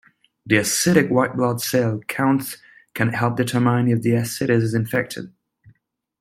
The ascitic white blood cell count can help determine if the ascites is infected.